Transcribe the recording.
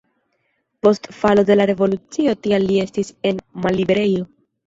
Post falo de la revolucio tial li estis en malliberejo.